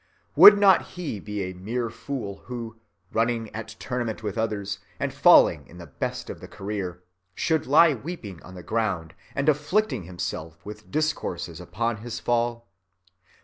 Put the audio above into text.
Would not he be a mere fool who, running at tournament with others, and falling in the best of the career, should lie weeping on the ground and afflicting himself with discourses upon his fall?